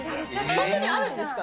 本当にあるんですか？